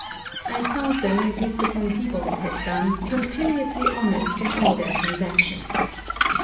I found them, as Mr. Von Siebold had done, punctiliously honest in all their transactions.